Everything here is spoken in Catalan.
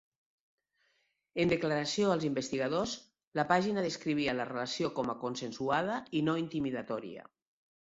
En declaració als investigadors, la pàgina descrivia la relació com a consensuada i no intimidatòria.